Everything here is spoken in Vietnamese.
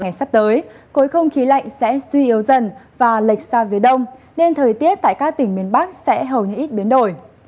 ngày sắp tới cối không khí lạnh sẽ duy yếu dần và lệch xa về đông nên thời tiết tại các tỉnh miền bắc sẽ hầu như ít biến đổi